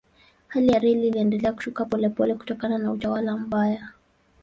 Hali ya reli iliendelea kushuka polepole kutokana na utawala mbaya.